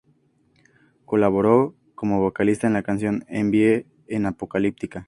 Colaboró como vocalista en la canción "En Vie" de Apocalyptica.